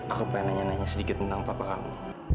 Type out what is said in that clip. aku pengen nanya nanya sedikit tentang papa kamu